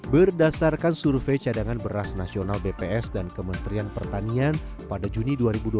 berdasarkan survei cadangan beras nasional bps dan kementerian pertanian pada juni dua ribu dua puluh